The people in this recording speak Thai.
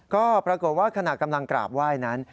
ก็ปรากฏว่าขณะกำลังกราบไหว้นั้น